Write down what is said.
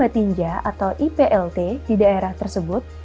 tinja atau iplt di daerah tersebut